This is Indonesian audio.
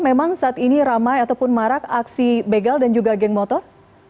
memang saat ini ramai ataupun marak aksi begal dan juga geng motor